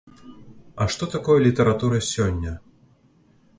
А што такое літаратура сёння?